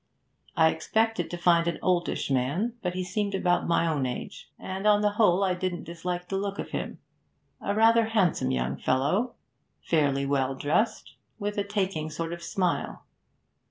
I expected to find an oldish man, but he seemed about my own age, and on the whole I didn't dislike the look of him, a rather handsome young fellow, fairly well dressed, with a taking sort of smile.